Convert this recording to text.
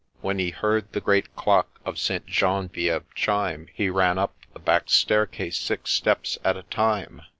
When he heard the great clock of St. Gene vie ve chime He ran up the back staircase six steps at a time.